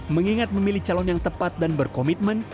mengingat memilih calon yang tepat dan berkomitmen